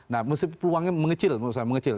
nah peluangnya mengecil